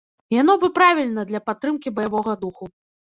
Яно б і правільна для падтрымкі баявога духу.